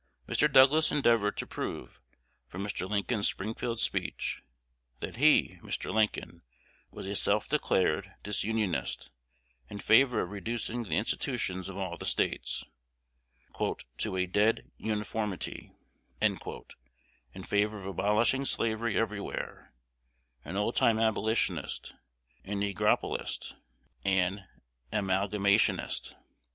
Mr. Douglas endeavored to prove, from Mr. Lincoln's Springfield speech, that he (Mr. Lincoln) was a self declared Disunionist, in favor of reducing the institutions of all the States "to a dead uniformity," in favor of abolishing slavery everywhere, an old time abolitionist, a negropolist, an amalgamationist.